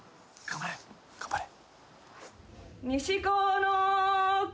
・頑張れ！